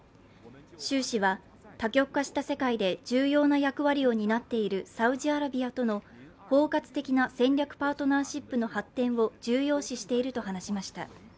習氏は、多極化した世界で重要な役割を担っているサウジアラビアとの包括的な戦略的パートナーシップの発展を重要視していると話しました。